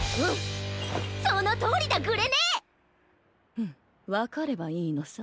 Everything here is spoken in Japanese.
フンわかればいいのさ。